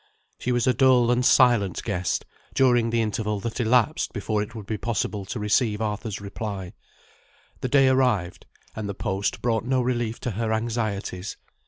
She was a dull and silent guest, during the interval that elapsed before it would be possible to receive Arthur's reply. The day arrived and the post brought no relief to her anxieties.